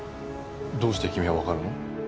どうして君はわかるの？